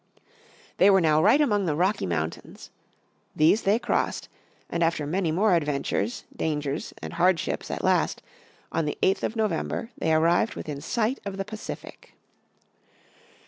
They were now right among the Rocky Mountains. These they crossed, and after many more adventures, dangers and hardships at last on the 8th of November they arrived within sight of the Pacific.